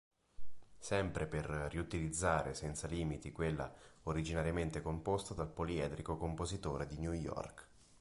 Sempre per riutilizzare senza limiti quella originariamente composta dal poliedrico compositore di New York.